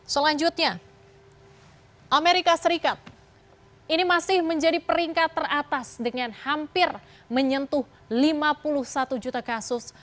selanjutnya amerika serikat ini masih menjadi peringkat teratas dengan hampir menyentuh lima puluh satu juta kasus